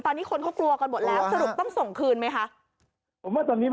ตอนนี้คนเขากลัวกันหมดแล้วสรุปต้องส่งคืนไหมคะ